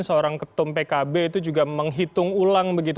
seorang ketum pkb itu juga menghitung ulang begitu